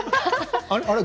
あれ？